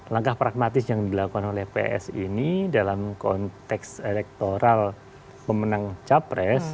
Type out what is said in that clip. langkah pragmatis yang dilakukan oleh psi ini dalam konteks elektoral pemenang capres